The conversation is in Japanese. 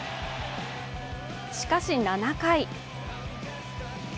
しかし７回。